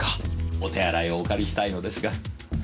お手洗いをお借りしたいのですが。